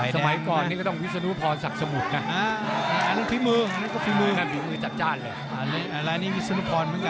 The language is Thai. สมัยก่อนนี้ก็ต้องวิศนุพรศักดิ์สมุทรนะ